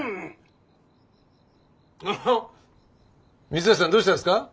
三橋さんどうしたんですか？